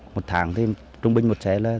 một tháng thì trung bình một xe là tám trăm linh